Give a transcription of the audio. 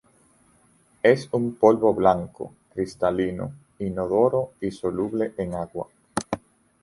Es un polvo blanco, cristalino, inodoro y soluble en agua.